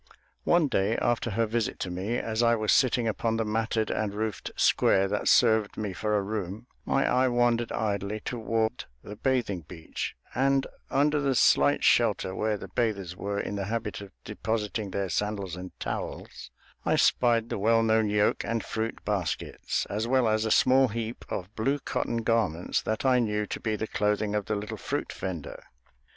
One day, after her visit to me, as I was sitting upon the matted and roofed square that served me for a room, my eye wandered idly toward the bathing beach, and, under the slight shelter where the bathers were in the habit of depositing their sandals and towels, I spied the well known yoke and fruit baskets, as well as a small heap of blue cotton garments that I knew to be the clothing of the little fruit vender.